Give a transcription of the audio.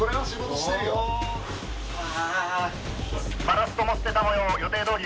バラストも捨てたもよう。予定どおりです。